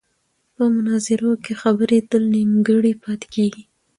په مناظرو کې خبرې تل نیمګړې پاتې کېږي.